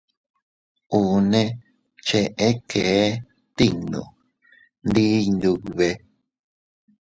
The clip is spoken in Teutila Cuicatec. Unne cheʼe kee tinnu ndi Iyndube.